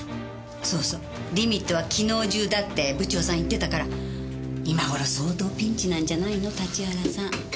そうそうリミットは昨日中だって部長さん言ってたから今頃相当ピンチなんじゃないの立原さん。